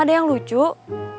a'ah penyedponi nih